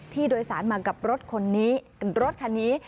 ที่โดยสารมากับรถคันนี้